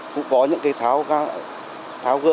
cũng có những cái tháo gỡ